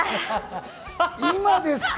今ですか？